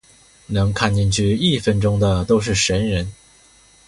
能看的进去一分钟就是神人